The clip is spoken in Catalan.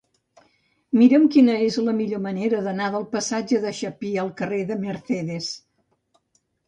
Mira'm quina és la millor manera d'anar del passatge de Chapí al carrer de Mercedes.